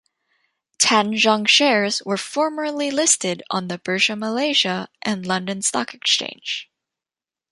Tanjong shares were formerly listed on the Bursa Malaysia and London Stock Exchange.